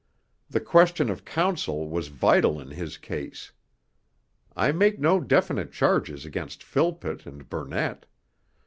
The question of counsel was vital in his case. I make no definite charges against Philpott and Burnett.